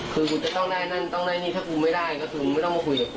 คือกูจะต้องได้นั่นต้องได้นี่ถ้ากูไม่ได้ก็คือมึงไม่ต้องมาคุยกับกู